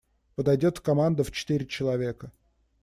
Пойдет команда в четыре человека.